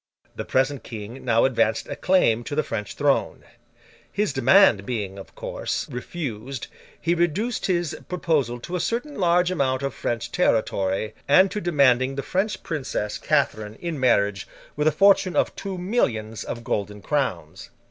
The present King now advanced a claim to the French throne. His demand being, of course, refused, he reduced his proposal to a certain large amount of French territory, and to demanding the French princess, Catherine, in marriage, with a fortune of two millions of golden crowns.